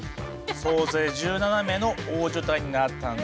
総勢１７名の大所帯になったんだ。